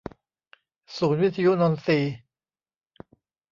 ศูนย์วิทยุนนทรี